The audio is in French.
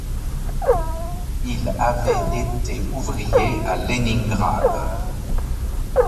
Il avait été ouvrier à Léningrad.